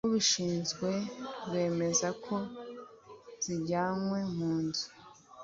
ubishinzwe rwemeza ko zijyanywe mu